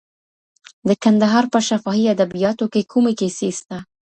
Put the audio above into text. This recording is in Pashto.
د کندهار په شفاهي ادبیاتو کي کومې کیسې سته؟